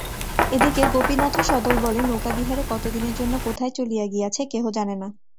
এ দিকে গোপীনাথও সদলবলে নৌকাবিহারে কতদিনের জন্য কোথায় চলিয়া গিয়াছে কেহ জানে না।